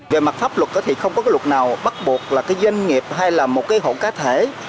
về mặt pháp luật thì không có luật nào bắt buộc là doanh nghiệp hay là một hộ cá thể